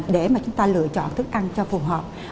để mà chúng ta lựa chọn thức ăn cho phù hợp